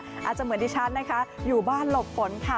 อาจจะเหมือนดิฉันนะคะอยู่บ้านหลบฝนค่ะ